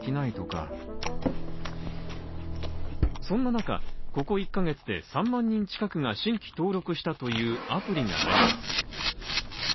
そんな中、ここ１カ月で３万人近くが新規登録したというアプリがあります。